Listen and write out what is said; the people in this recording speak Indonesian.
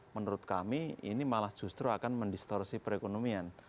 menurut kami ini malah justru akan mendistorsi perekonomian